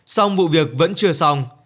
xong vụ việc vẫn chưa xong